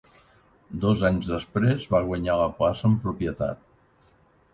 Dos anys després va guanyar la plaça en propietat.